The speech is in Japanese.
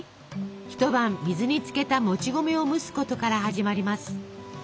一晩水につけたもち米を蒸すことから始まります。